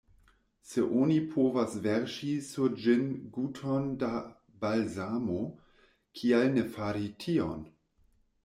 Se oni povas verŝi sur ĝin guton da balzamo, kial ne fari tion?